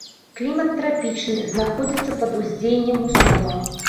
Клімат трапічны, знаходзіцца пад уздзеяннем мусонаў.